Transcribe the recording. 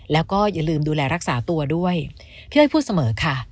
แล้วก็อย่าลืมดูแลรักษาตัวด้วยพี่อ้อยพูดเสมอค่ะ